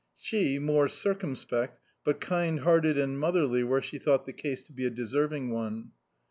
She, more circumspect, but kind hearted and motherly where she thou^t the case to be a deserving one.